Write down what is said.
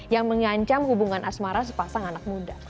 yang mengancam hubungan asmara sepasang anak muda